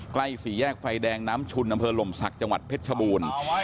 ใกล้สี่แยกไฟแดงน้ำชุนดำเพลิงลำสักจังหวัดเพชรชบูรณ์